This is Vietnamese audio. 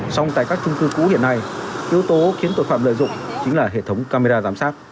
xong tại các trung cư cũ hiện nay yếu tố khiến tội phạm lợi dụng chính là hệ thống camera giám sát